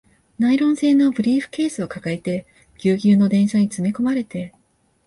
ナイロン製のブリーフケースを抱えて、ギュウギュウの電車に詰め込まれて